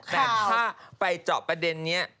แต่ถ้าไปเจาะประเด็นนี้